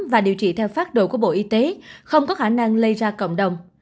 và điều trị theo phát đồ của bộ y tế không có khả năng lây ra cộng đồng